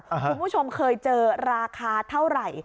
คุณผู้ชมเคยเจอราคาเท่าไหร่